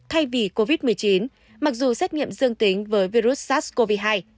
thay vì covid một mươi chín mặc dù xét nghiệm dương tính với virus sars cov hai